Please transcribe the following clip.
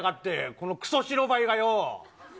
このくそ白バイがよ。